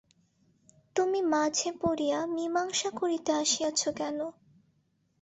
তুমি মাঝে পড়িয়া মীমাংসা করিতে আসিয়াছ কেন?